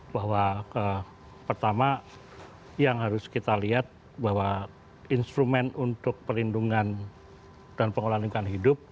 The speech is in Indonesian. bahwa pertama yang harus kita lihat bahwa instrumen untuk perlindungan dan pengelolaan lingkungan hidup